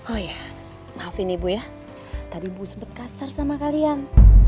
oh ya maafin ibu ya tadi ibu sebut kasar sama kalian